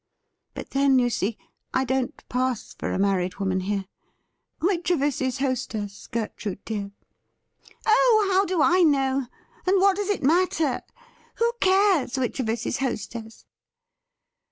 But then, you see, I don't pass for a married woman here. Which of us is hostess, Gertrude dear ?''' Oh, how do I know, and what does it matter ? Who cares which of us is hostess